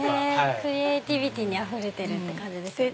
クリエーティビティーにあふれてるって感じですね。